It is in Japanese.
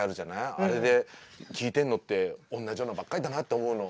あれで聴いてるのって同じようなのばっかりだなと思うの。